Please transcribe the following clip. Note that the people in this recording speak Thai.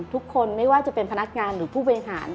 ทุกคนไม่ว่าจะเป็นพนักงานหรือผู้บริหาร